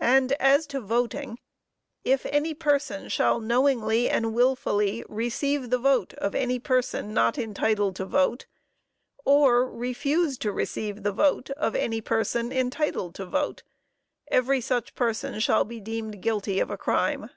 And as to voting: "If any person shall ... knowingly and wilfully receive the vote of any person not entitled to vote, or refuse to receive the vote of any person entitled to vote ... every such person shall be deemed guilty of a crime."